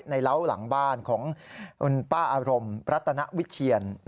เล้าหลังบ้านของคุณป้าอารมณ์รัตนวิเชียน